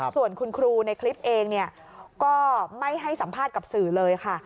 ส่วนคุณครูในคลิปเองก็ไม่ให้สัมภาษณ์กับสื่อเลยค่ะ